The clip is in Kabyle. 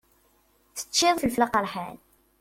Teččiḍ ifelfel aqeṛḥan.